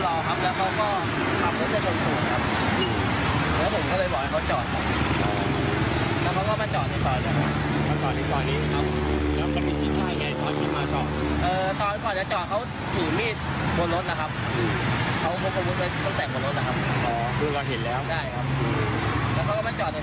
เนี้ยค่ะสำหรับเหตุการณ์ที่เกิดขึ้นเนี้ยนะคะนายทราบกรนายก็อยากจะให้หน่วยงานที่เกี่ยวข้อง